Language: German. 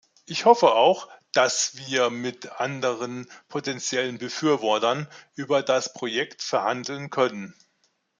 Ich hoffe auch, dass wir mit anderen potentiellen Befürwortern über das Projekt verhandeln können.